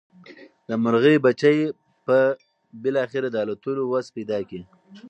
د مرغۍ بچي به بالاخره د الوتلو وس پیدا کړي.